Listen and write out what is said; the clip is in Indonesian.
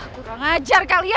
kurang ajar kalian